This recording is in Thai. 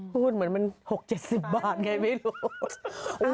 พูดเหมือนมัน๖๗๐บาทไงไม่รู้